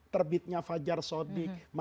terbitnya fajar sholat itu menggunakan matahari kan